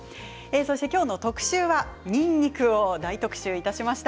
今日の特集はにんにくを大特集いたしました。